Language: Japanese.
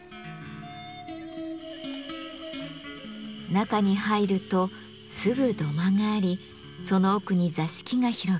中に入るとすぐ土間がありその奥に座敷が広がっています。